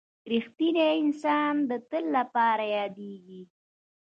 • رښتینی انسان د تل لپاره یادېږي.